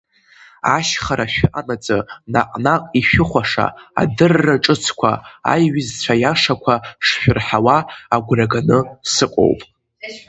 Ашьхара шәыҟанаҵы наҟ-наҟ ишәыхәаша адырра ҿыцқәа, аҩызцәа иашақәа шшәырҳауа агәра ганы сыҟоуп.